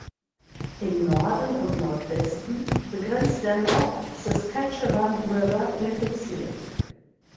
Im Norden und Nordwesten begrenzt der North Saskatchewan River den Bezirk.